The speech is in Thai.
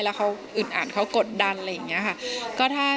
แล้วเขาอึดอัดเขากดดันอะไรอย่างนี้ค่ะ